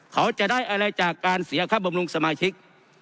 เขาจะได้อะไรจากการเสียค่าบำรุงสมาชิก